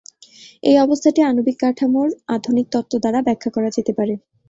এই অবস্থাটি আণবিক কাঠামোর আধুনিক তত্ত্ব দ্বারা ব্যাখ্যা করা যেতে পারে।